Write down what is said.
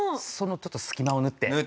そのちょっと隙間を縫って。